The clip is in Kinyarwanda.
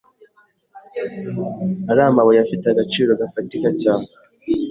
ari amabuye afite agaciro gafatika cyane